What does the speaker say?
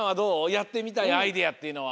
やってみたいアイデアっていうのは。